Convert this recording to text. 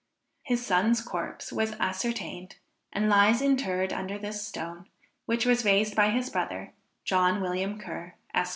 His son's corpse was ascertained, and lies interred under this stone, which was raised by his brother, John William Ker, Esq.